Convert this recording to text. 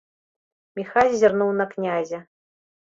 Міхась зірнуў на князя.